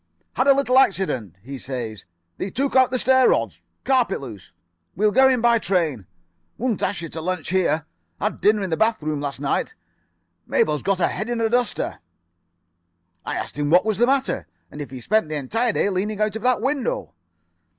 "'Had a little accident,' he says. 'They took out the stair rods. Carpet loose. We'll go in by train. Wouldn't ask you to lunch here. Had dinner in the [Pg 67]bath room last night. Mabel's got her head in a duster.' "I asked him what was the matter. And if he spent the entire day leaning out of that window.